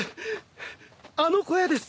あの小屋です！